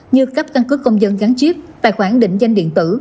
như cấp căn cứ công dân gắn chip tài khoản định danh điện tử